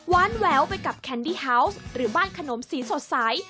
แววไปกับแคนดี้ฮาวส์หรือบ้านขนมสีสดใส